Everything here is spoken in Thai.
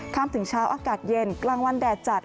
ถึงเช้าอากาศเย็นกลางวันแดดจัด